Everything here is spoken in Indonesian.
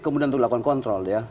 kemudian untuk lakukan kontrol ya